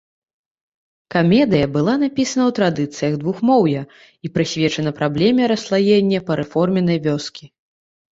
Камедыя была напісана ў традыцыях двухмоўя і прысвечана праблеме расслаення парэформеннай вёскі.